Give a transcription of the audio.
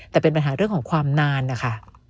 แต่เป็นปัญหาเรื่องของความนานนะคะ